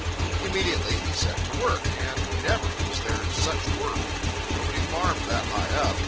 Immediately he set to work. And never was there such work. Nobody farmed that high up.